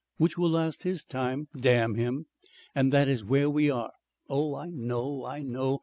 Which will last his time damn him! And that is where we are.... Oh! I know! I know!....